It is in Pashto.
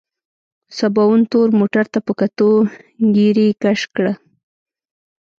سباوون تور موټر ته په کتو ږيرې کش کړ.